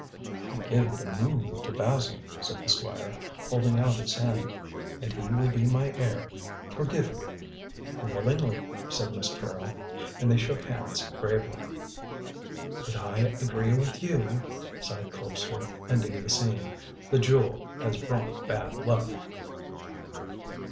"I give the moon to Basil," said the Squire, holding out his hand. "And he will be my heir. Forgive me." "Willingly," said Miss Carrol, and they shook hands gravely. "But I agree with you," sighed Colpster, ending the scene; "the jewel has brought bad luck."